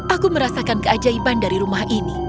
aku merasakan keajaiban dari rumah ini